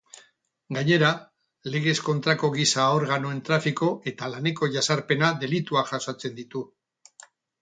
Gainera, legez kontrako giza-organoen trafiko eta laneko jazarpena delituak jasotzen ditu.